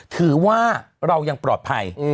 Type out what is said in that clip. ถือว่าเรายังปลอดภัย